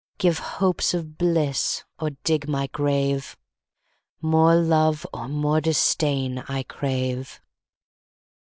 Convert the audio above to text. Give hopes of bliss or dig my grave: More love or more disdain I crave.